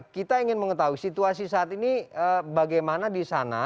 kita ingin mengetahui situasi saat ini bagaimana di sana